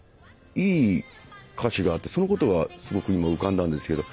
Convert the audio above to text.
いい歌詞があってそのことがすごく今浮かんだんですけど